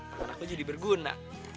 anakku jadi berguna